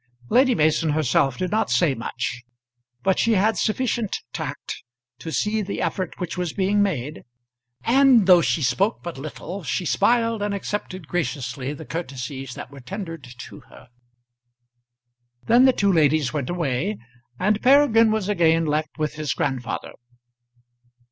Lady Mason herself did not say much; but she had sufficient tact to see the effort which was being made; and though she spoke but little she smiled and accepted graciously the courtesies that were tendered to her. Then the two ladies went away, and Peregrine was again left with his grandfather.